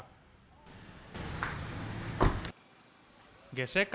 keseluruhan penumpangnya juga sudah dikawal